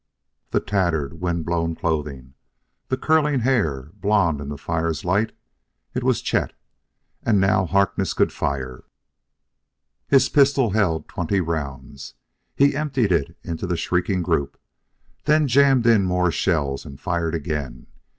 The tattered, wind blown clothing the curling hair, blond in the fire's light it was Chet.... And now Harkness could fire. His pistol held twenty rounds. He emptied it into the shrieking group, then jammed in more of the shells and fired again.